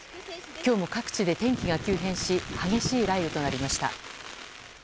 今日も各地で天気が急変し激しい雷雨となりました。